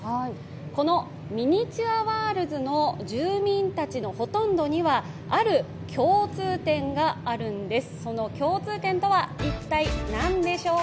このミニチュアワールズの住民たちのほとんどにはある共通点があるんです。